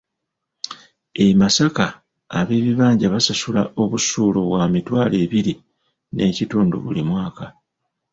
E Masaka ab’ebibanja basasula obusuulu bwa mitwalo ebiri n'ekitundu buli mwaka.